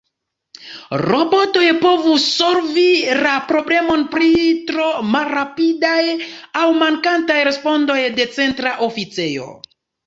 Robotoj povus solvi la problemon pri tro malrapidaj aŭ mankantaj respondoj de Centra Oficejo.